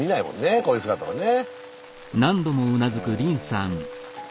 こういう姿はね。